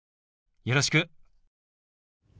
よろしく。